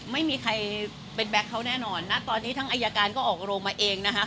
ไม่มีใครเป็นแก๊กเขาแน่นอนนะตอนนี้ทั้งอายการก็ออกโรงมาเองนะคะ